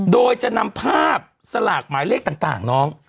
โดยจะนำภาพสลากหมายเลขต่างน้อง